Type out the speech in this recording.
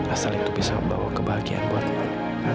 asal itu bisa bawa kebahagiaan buat non